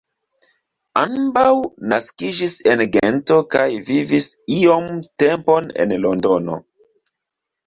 Ambaŭ naskiĝis en Gento kaj vivis iom tempon en Londono.